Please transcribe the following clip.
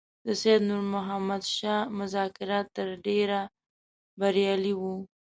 د سید نور محمد شاه مذاکرات تر ډېره بریالي وو.